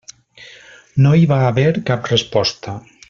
No hi va haver cap resposta.